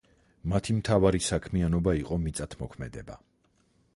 მათი მთავარი საქმიანობა იყო მიწათმოქმედება.